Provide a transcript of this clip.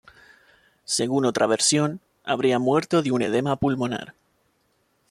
Según otra versión habría muerto de un edema pulmonar.